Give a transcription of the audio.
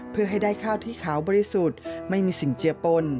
เพื่อให้ได้ข้าวที่ขาวบริสุทธิ์ไม่มีสิ่งเจือปน